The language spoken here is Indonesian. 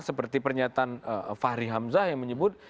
seperti pernyataan fahri hamzah yang menyebut